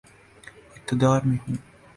اقتدار میں ہوں۔